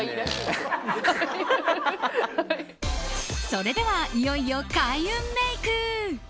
それでは、いよいよ開運メイク。